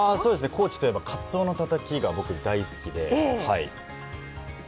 高知といえばかつおのたたきが僕、大好きで。